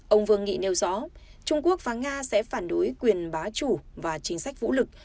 ông vương nghị nêu rõ trung quốc và nga sẽ phản đối quyền bá chủ và chính sách vũ lực